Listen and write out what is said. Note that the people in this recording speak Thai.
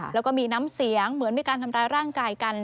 แล้วก็มีน้ำเสียงเหมือนมีการทำร้ายร่างกายกัน